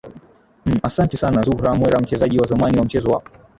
m asante sana zuhra mwera mchezaji wa zamani wa mchezo wa